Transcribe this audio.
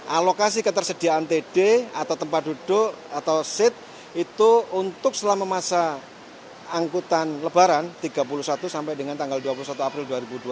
alokasi ketersediaan td atau tempat duduk atau seat itu untuk selama masa angkutan lebaran tiga puluh satu sampai dengan tanggal dua puluh satu april dua ribu dua puluh